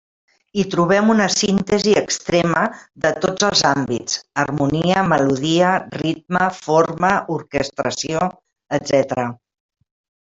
Hi trobem una síntesi extrema de tots els àmbits: harmonia, melodia, ritme, forma, orquestració, etc.